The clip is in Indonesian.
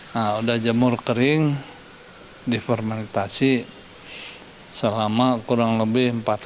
nah udah jemur kering difermentasi selama kurang lebih empat tahun